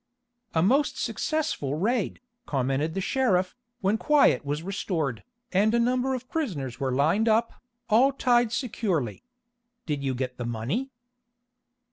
"A most successful raid," commented the sheriff, when quiet was restored, and a number of prisoners were lined up, all tied securely. "Did you get the money?"